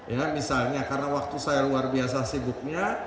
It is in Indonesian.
ya misalnya karena waktu saya luar biasa sibuknya